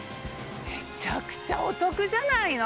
めちゃくちゃお得じゃないの。